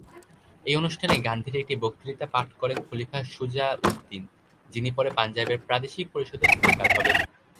এই অনুষ্ঠানে গান্ধীর একটি বক্তৃতা পাঠ করেন খলিফা শুজা-উদ-দিন, যিনি পরে পাঞ্জাবের প্রাদেশিক পরিষদের স্পিকার হবেন।